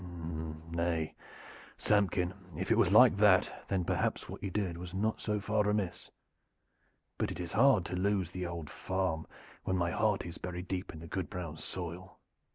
"Nay, Samkin, if it was like that, then perhaps what you did was not so far amiss. But it is hard to lose the old farm when my heart is buried deep in the good brown soil."